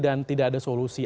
dan tidak ada solusi